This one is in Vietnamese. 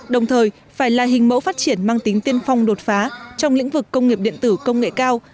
đồng thời phải là hình mẫu phát triển mang tính tiên phong đột phá trong lĩnh vực công nghiệp điện tử công nghệ cao